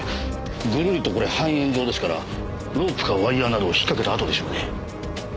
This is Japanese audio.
ぐるりとこれ半円状ですからロープかワイヤーなどをひっかけた跡でしょうね。